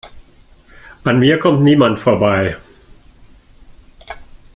An mir kommt niemand vorbei!